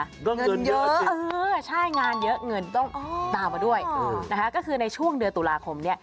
ก็เงินเยอะใช่งานเยอะเงินต้องตามมาด้วยนะคะก็คือในช่วงเดือนตุลาคมเนี่ย